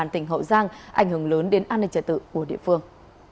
tỉnh hậu giang ảnh hưởng lớn đến an ninh trả tự của địa phương